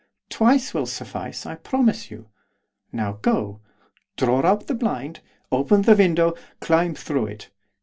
Twice will suffice, I promise you. Now go. Draw up the blind; open the window; climb through it.